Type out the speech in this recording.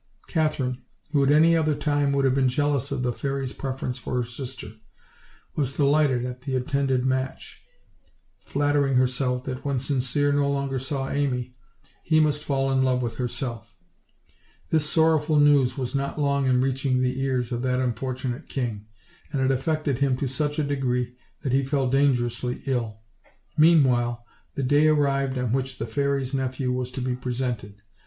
Kathcrine, who at any other time would have been jealous of the fairy's preference for her sister, was delighted at the intended match, flattering herself that when Sincere no longer saw Amy, he must fall in love with herself. This sorrowful news was not long in reaching the ears of that unfortu nate king, and it affected him to such a degree that he fell dangerously ill. Meanwhile, the day arrived on which the fairy's nephew was to be presented.